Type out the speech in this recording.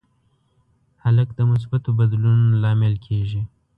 هلک د مثبتو بدلونونو لامل کېږي.